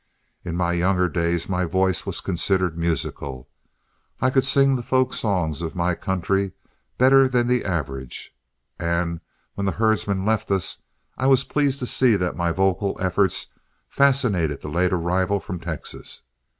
In my younger days my voice was considered musical; I could sing the folk songs of my country better than the average, and when the herdsmen left us, I was pleased to see that my vocal efforts fascinated the late arrival from Texas.